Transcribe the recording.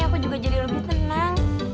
aku juga jadi lebih tenang